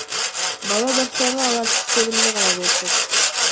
Бала бакчаны алар түштөрүндө гана көрүшөт.